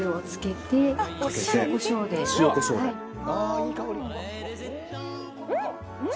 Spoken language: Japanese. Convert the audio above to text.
いい香り。